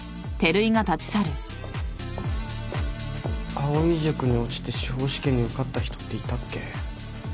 藍井塾に落ちて司法試験に受かった人っていたっけ？